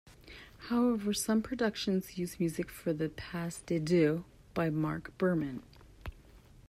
However, some productions use music for the Pas De Deux by Mark Berman.